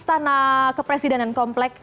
istana kepresidenan kompleks